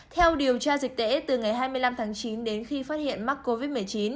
theo điều tra dịch tễ từ ngày hai mươi năm tháng chín đến khi phát hiện mắc covid một mươi chín